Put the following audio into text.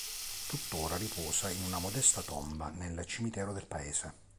Tuttora riposa in una modesta tomba nel cimitero del paese.